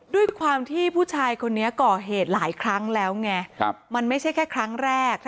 ด้วยความที่ผู้ชายคนนี้ก่อเหตุหลายครั้งแล้วไงมันไม่ใช่แค่ครั้งแรก